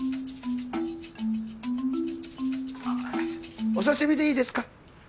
あぁお刺身でいいですか？